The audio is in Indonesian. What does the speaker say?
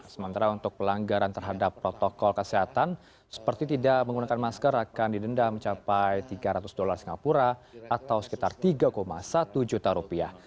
sementara untuk pelanggaran terhadap protokol kesehatan seperti tidak menggunakan masker akan didenda mencapai tiga ratus dolar singapura atau sekitar tiga satu juta rupiah